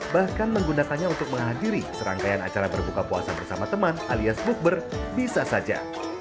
bahkan menggunakannya untuk menghadiri serangkaian acara berbuka puasa bersama teman alias bukber bisa saja